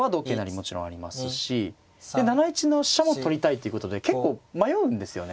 もちろんありますしで７一の飛車も取りたいっていうことで結構迷うんですよね。